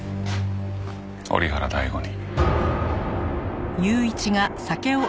折原大吾に。